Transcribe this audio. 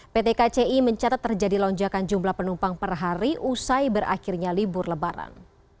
pt kci mencatat terjadi lonjakan jumlah penumpang per hari usai berakhirnya libur lebaran